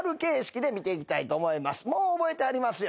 もう覚えてはりますよね。